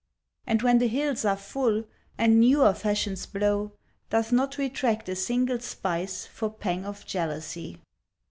And when the hills are full, And newer fashions blow, Doth not retract a single spice For pang of jealousy.